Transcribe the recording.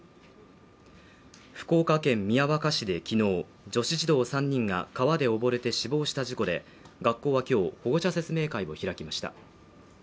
福岡県宮若市で昨日、女子児童３人が川でおぼれて死亡した事故で、学校は今日、保護者説明会を開きました。